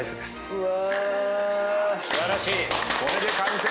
うわ。